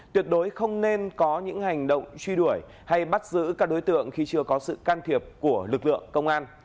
tuyệt đối không nên có những hành động truy đuổi hay bắt giữ các đối tượng khi chưa có sự can thiệp của lực lượng công an